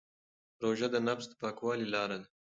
روژه د نفس د پاکوالي لاره ده.